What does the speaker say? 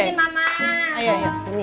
dia sendiri mama